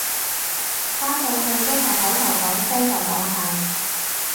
返到去都係口頭講聲就當係